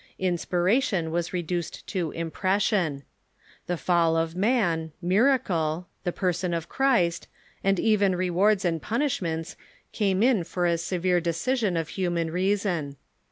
Inspiration was reduced to impression. The fall of man, mira cle, the person of Christ, and even rewards and punishments came in for the severe decision of human reason.